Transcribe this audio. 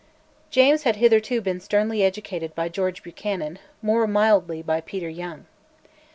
James had hitherto been sternly educated by George Buchanan, more mildly by Peter Young.